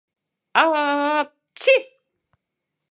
А-а-апчи!